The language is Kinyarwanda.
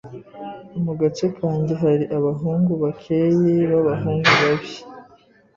Mu gace kanjye hari abahungu bakeyi b'abahungu babi.